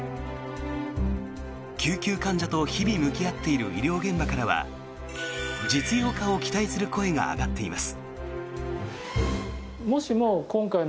救急患者と日々向き合っている医療現場からは実用化を期待する声が上がっています。